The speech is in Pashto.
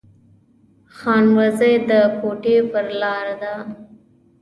خانوزۍ د کوټي پر لار ده